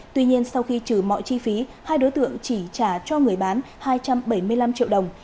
tuy nhiên sau khi trừ mọi chi phí hai đối tượng chỉ trả cho người bán hai trăm bảy mươi năm triệu đồng